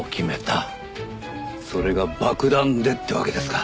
それが爆弾でってわけですか？